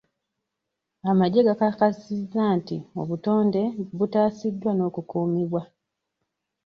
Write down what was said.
Amagye gakakasizza nti obutonde butaasiddwa n'okukuumibwa.